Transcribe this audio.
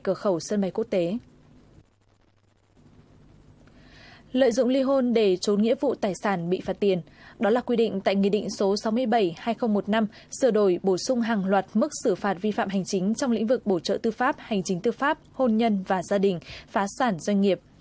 lợi dụng ly hôn để trốn nghĩa vụ tài sản bị phạt tiền đó là quy định tại nghị định số sáu mươi bảy hai nghìn một mươi năm sửa đổi bổ sung hàng loạt mức xử phạt vi phạm hành chính trong lĩnh vực bổ trợ tư pháp hành chính tư pháp hôn nhân và gia đình phá sản doanh nghiệp